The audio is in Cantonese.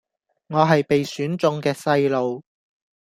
我係被選中嘅細路⠀⠀